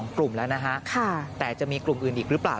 กลุ่มแล้วนะฮะแต่จะมีกลุ่มอื่นอีกหรือเปล่า